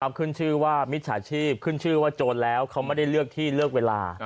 เขาขึ้นชื่อว่ามิจฉาชีพขึ้นชื่อว่าโจรแล้วเขาไม่ได้เลือกที่เลือกเวลา